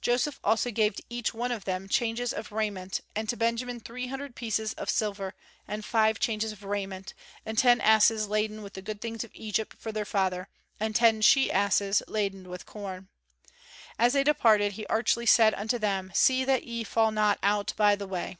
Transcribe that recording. Joseph also gave to each one of them changes of raiment, and to Benjamin three hundred pieces of silver and five changes of raiment, and ten asses laden with the good things of Egypt for their father, and ten she asses laden with corn. As they departed, he archly said unto them, "See that ye fall not out by the way!"